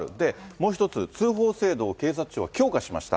もう一つ、通報制度を警察庁は強化しました。